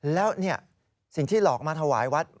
แล้วสิ่งที่หลอกมาถวายวัด